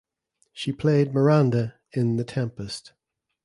She played "Miranda" in "The Tempest".